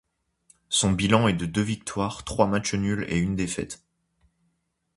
Son bilan est de deux victoires, trois matchs nuls et une défaite.